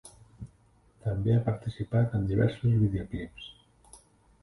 També ha participat en diversos videoclips.